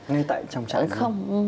ngay tại trong trại không